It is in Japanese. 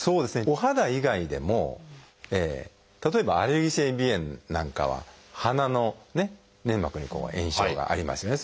お肌以外でも例えばアレルギー性鼻炎なんかは鼻の粘膜に炎症がありますよね。